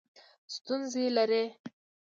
ستونزې لرئ؟